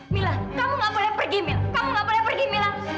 mila kamu tidak boleh pergi mila kamu tidak boleh pergi mila